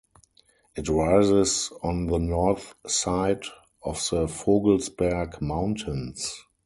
It rises on the north side of the Vogelsberg Mountains.